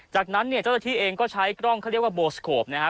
จากนั้นเนี่ยเจ้าหน้าที่เองก็ใช้กล้องเขาเรียกว่าโบสโคปนะฮะ